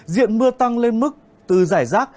diện mưa tăng lên mức từ rải rác